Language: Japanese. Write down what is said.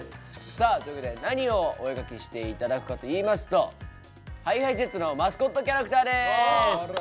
さあということで何をお絵描きして頂くかといいますとＨｉＨｉＪｅｔｓのマスコットキャラクターです。